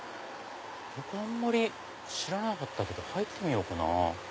僕あんまり知らなかったけど入ってみようかな。